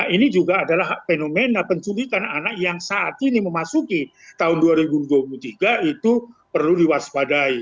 ini juga adalah fenomena penculikan anak yang saat ini memasuki tahun dua ribu dua puluh tiga itu perlu diwaspadai